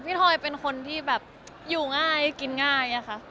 ทอยเป็นคนที่แบบอยู่ง่ายกินง่ายอะค่ะ